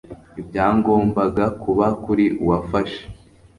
ibyagombaga kuba kuri Uwafashe